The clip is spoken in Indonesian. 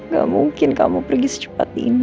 gak mungkin kamu pergi secepat ini